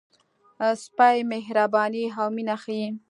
سپي مهرباني او مینه ښيي.